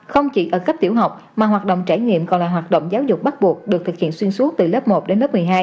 không chỉ ở cấp tiểu học mà hoạt động trải nghiệm còn là hoạt động giáo dục bắt buộc được thực hiện xuyên suốt từ lớp một đến lớp một mươi hai